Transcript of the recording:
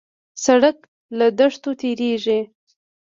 سړک له دښتو تېرېږي.